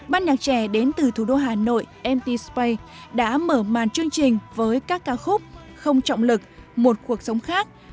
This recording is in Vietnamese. ban nhạc trẻ đến từ thủ đô hà nội mtspay đã mở màn chương trình với các ca khúc không trọng lực một cuộc sống khác